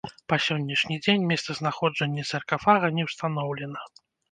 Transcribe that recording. Па сённяшні дзень месцазнаходжанне саркафага не ўстаноўлена.